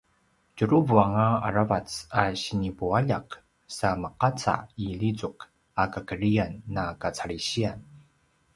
tjuruvu anga aravac a sinipualjak sa meqaca i lizuk a kakedriyan na kacalisiyan